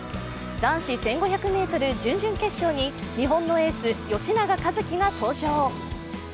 男子１５００ｍ準々決勝に日本のエース、吉永一貴が登場。